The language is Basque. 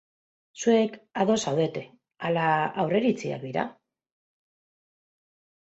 Zuek ados zaudete, ala aurreiritziak dira?